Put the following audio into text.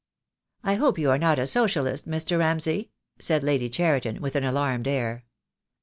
"I hope you are not a Socialist, Mr. Ramsay?" said Lady Cheriton, with an alarmed air.